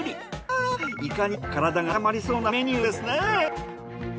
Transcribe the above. いやいかにも体が温まりそうなメニューですね！